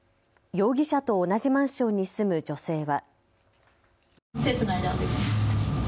容疑者と同じマンションに住む女性は。